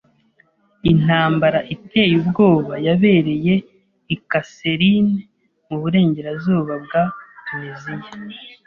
Intambara iteye ubwoba yabereye i Kasserine mu burengerazuba bwa Tuniziya.